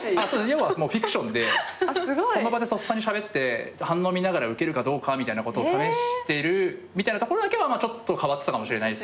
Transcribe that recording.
要はフィクションでその場でとっさにしゃべって反応見ながらウケるかどうかみたいなことを試してるみたいなところだけは変わってたかもしれないですけど。